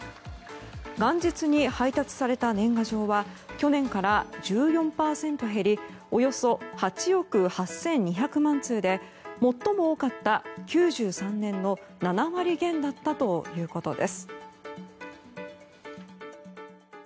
元日に配達された年賀状は去年から１４％減りおよそ８億８２００万通で最も多かった９３年の７割減だったということです。